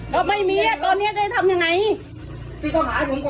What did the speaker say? มาฮะมากไม่งั้นอะไรไม่งั้นอะไรข้าไม่มีเองเข้าไหน